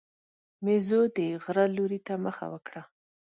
مېزو د غره لوري ته مخه وکړه.